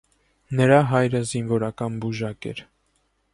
Նրա հայրը զինվորական բուժակ էր։